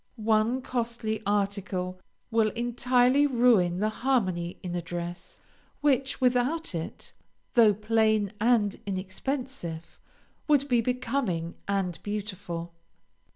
One costly article will entirely ruin the harmony in a dress, which, without it, though plain and inexpensive, would be becoming and beautiful.